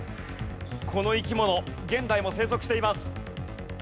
この生き物現代も生息しています。